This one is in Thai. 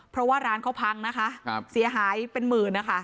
เพราะว่าร้านเขาพังนะคะเสียหายเป็นหมื่นนะคะ